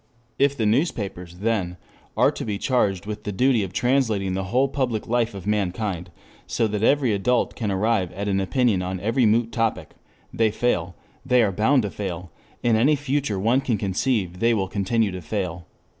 If the newspapers, then, are to be charged with the duty of translating the whole public life of mankind, so that every adult can arrive at an opinion on every moot topic, they fail, they are bound to fail, in any future one can conceive they will continue to fail.